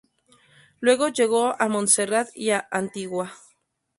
Luego llegó a Montserrat y a Antigua.